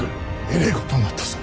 えれえことになったぞ。